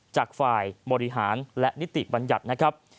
จากฝ่ายบริหารและนิติบัญญัตินะครับ